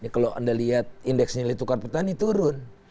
kalau anda lihat indeks nilai tukar petani turun